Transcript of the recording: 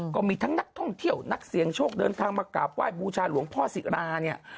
ก็มีทั้งนักท่องเที่ยวนักเสียงโชคเดินทางมากราบไหว้บูชาหลวงพ่อศิราเนี่ย